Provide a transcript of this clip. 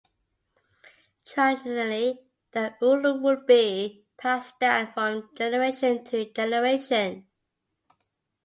Traditionally, the ulu would be passed down from generation to generation.